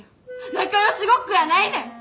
仲よしごっこやないねん！